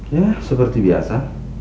ya seperti biasa